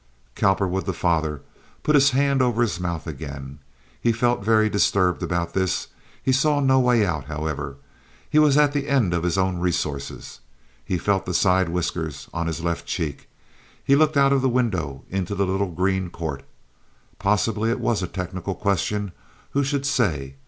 Cowperwood, the father, put his hand over his mouth again. He felt very disturbed about this. He saw no way out, however. He was at the end of his own resources. He felt the side whiskers on his left cheek. He looked out of the window into the little green court. Possibly it was a technical question, who should say.